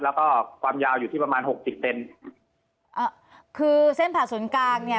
แล้วก็ความยาวอยู่ที่ประมาณหกสิบเซนอ่าคือเส้นผ่าศูนย์กลางเนี่ย